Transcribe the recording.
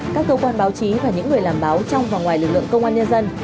các cơ quan báo chí và những người làm báo trong và ngoài lực lượng công an nhân dân